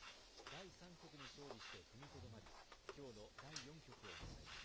第３局に勝利して踏みとどまり、きょうの第４局を迎えています。